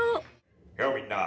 「ようみんな。